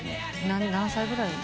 何歳ぐらい？